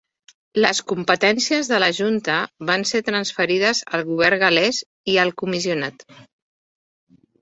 Les competències de la Junta van ser transferides al govern gal·lès i al Comissionat.